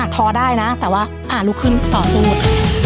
อ่ะทอได้นะแต่ว่าอ่ะลุกขึ้นต่อซื้อหมด